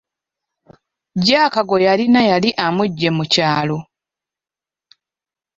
Jack gwe yalina yali amugye mu kyalo.